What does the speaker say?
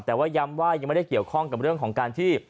แต่ว่าย้ำว่ายังไม่ได้เกี่ยวข้องกับเรื่องของการที่